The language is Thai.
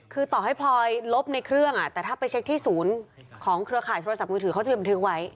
คือต่อให้พลอยลบในเครื่องแต่ถ้าไปเช็คที่ศูนย์ของเครือข่ายโทรศัพท์มือถือเขาจะไปบันทึกไว้